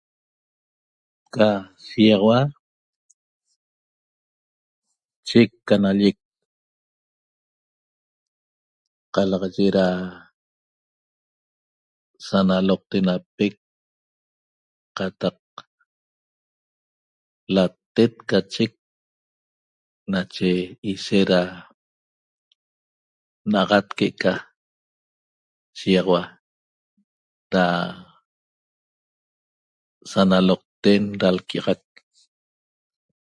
Ca shiýaxaua chec ca nallec qalaxaye da sanaloqtenapec qataq latet ca chec nache ishet da na'axat que'eca shiýaxaua da sanaloqten da lquia'axac